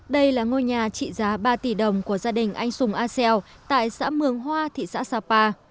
đây là ngôi nhà trị giá ba tỷ đồng của gia đình anh sùng a xeo tại xã mường hoa thị xã sapa